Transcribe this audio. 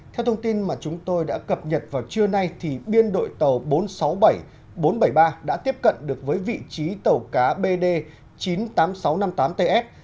theo thông tin mà chúng tôi đã cập nhật vào trưa nay biên đội tàu bốn trăm sáu mươi bảy bốn trăm bảy mươi ba đã tiếp cận được với vị trí tàu cá bd chín mươi tám nghìn sáu trăm năm mươi tám ts